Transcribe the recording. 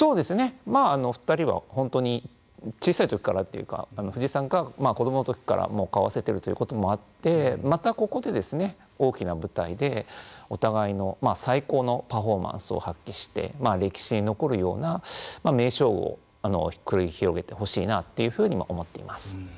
２人は本当に小さいときからというか藤井さんが子どものときから顔を合わせているということもあってまたここで大きな舞台でお互いの最高のパフォーマンスを発揮して歴史に残るような名勝負を繰り広げてほしいなというふうに思っています。